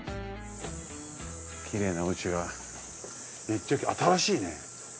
きれいなお家がめっちゃ新しいね！